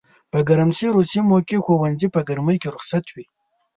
په ګرمسېرو سيمو کښي ښوونځي په ګرمۍ کي رخصت وي